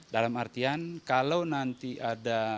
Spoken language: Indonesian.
dalam artian kalau nanti ada